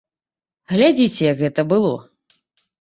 Глядзіце, як гэта было.